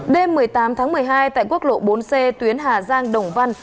đêm một mươi tám tháng một mươi hai tại quốc lộ bốn c tuyến hà giang đồng văn